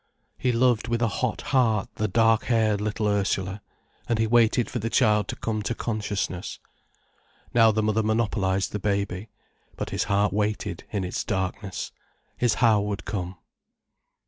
He loved with a hot heart the dark haired little Ursula, and he waited for the child to come to consciousness. Now the mother monopolized the baby. But his heart waited in its darkness. His hour would come.